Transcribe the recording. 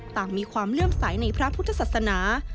ต่างมีความเลื่อมใสในพระพุทธศาสนา